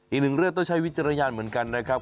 อีกหนึ่งเรื่องต้องใช้วิจารณญาณเหมือนกันนะครับ